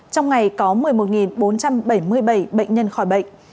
trong ngày có một mươi một bốn trăm bảy mươi bảy bệnh nhân khỏi bệnh